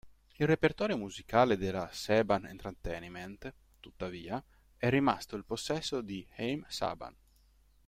Il repertorio musicale della Saban Entertainment, tuttavia, è rimasto il possesso di Haim Saban.